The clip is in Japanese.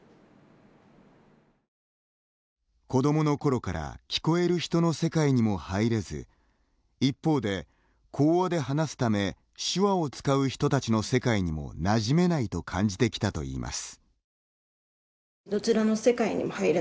子どもの頃から聞こえる人の世界にも入れず一方で、口話で話すため手話を使う人たちの世界にもなじめないと感じてきたといいます。